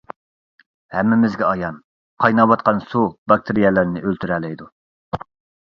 ھەممىمىزگە ئايان، قايناۋاتقان سۇ باكتېرىيەلەرنى ئۆلتۈرەلەيدۇ.